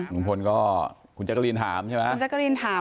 ลุงพลของจักรรีนถามใช่ไหมจักรรีนถาม